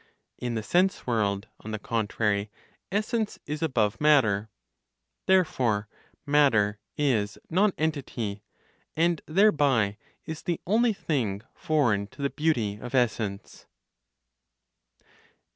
In the sense world, on the contrary, essence is above matter; therefore matter is nonentity, and thereby is the only thing foreign to the beauty of essence.